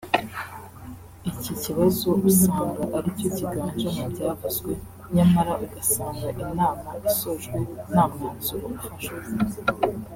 iki kibazo usanga aricyo kiganje mu byavuzwe nyamara ugasanga inama isojwe ntamwanzuro ufashwe